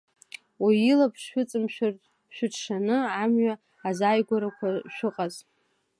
Уаҩы илаԥш шәыҵамшәартә, шәыҽшаны амҩа азааигәарақәа шәыҟаз.